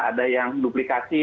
ada yang duplikasi